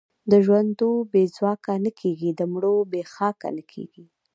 د ژوندو بې ځواکه نه کېږي، د مړو بې خاکه نه کېږي.